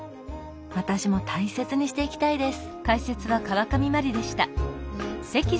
私も大切にしていきたいです。